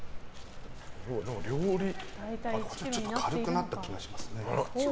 ちょっと軽くなった気がします。